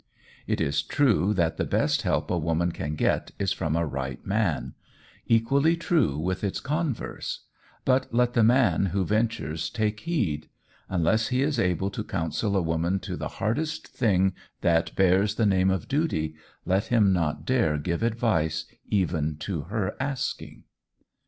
It is true that the best help a woman can get is from a right man equally true with its converse; but let the man who ventures take heed. Unless he is able to counsel a woman to the hardest thing that bears the name of duty, let him not dare give advice even to her asking.